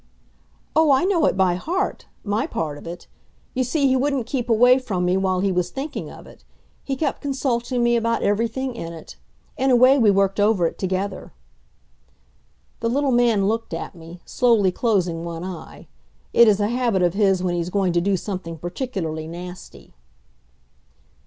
"Oh, I know it by heart my part of it. You see, he wouldn't keep away from me while he was thinking of it. He kept consulting me about everything in it. In a way, we worked over it together." The little man looked at me, slowly closing one eye. It is a habit of his when he's going to do something particularly nasty.